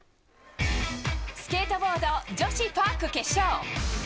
スケートボード女子パーク決勝。